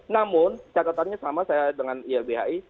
namun catatannya sama saya dengan ilbhi